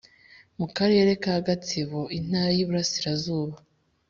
mu karere ka Gatsibo Intara y iburasirazuba